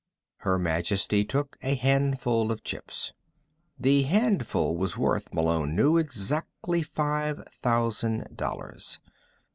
Her Majesty took a handful of chips. The handful was worth, Malone knew, exactly five thousand dollars.